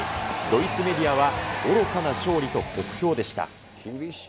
ドイツメディアは、愚かな勝利と酷評でした。